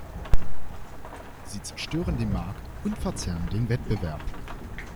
Sie zerstören den Markt und verzerren den Wettbewerb.